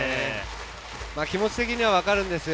気持ち的にはわかるんですよ。